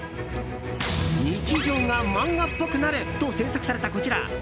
日常が漫画っぽくなると制作された、こちら。